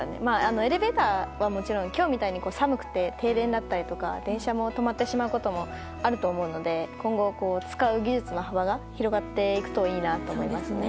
エレベーターはもちろん今日みたいに寒くて停電だったり電車も止まってしまうこともあるので今後使う技術の幅が広がっていくといいなと思います。